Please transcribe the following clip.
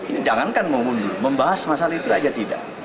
ini jangankan mau mundur membahas masalah itu aja tidak